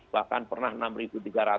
bahkan pernah rp enam tiga ratus